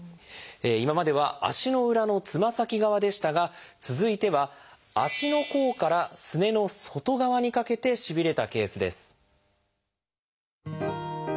今までは足の裏のつま先側でしたが続いては足の甲からすねの外側にかけてしびれたケースです。